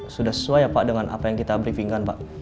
sudah sesuai ya pak dengan apa yang kita briefingkan pak